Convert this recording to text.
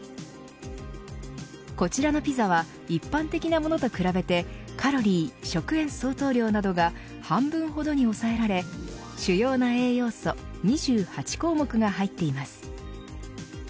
こちらのピザは一般的なものと比べてカロリー、食塩相当量などが半分ほどに抑えられ主要な栄養素２８項目が入っています。